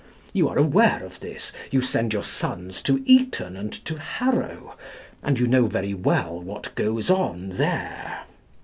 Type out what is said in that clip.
You are aware of this. You send your sons to Eton and to Harrow, and you know very well what goes on there.